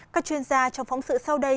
các chuyên gia trong phóng sự sau đây